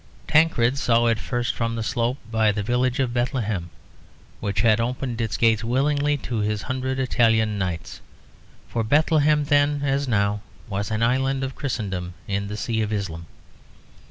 Tancred saw it first from the slope by the village of Bethlehem, which had opened its gates willingly to his hundred Italian knights; for Bethlehem then as now was an island of Christendom in the sea of Islam.